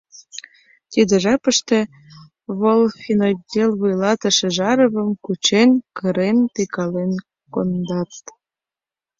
Тиде жапыште волфинотдел вуйлатыше Жаровым, кучен, кырен-тӱкален кондат.